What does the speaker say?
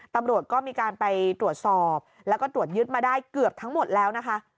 ตำรวจก็มีการไปตรวจสอบแล้วก็ตรวจยึดมาได้เกือบทั้งหมดแล้วนะคะ